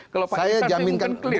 kalau pak instansi bukan clear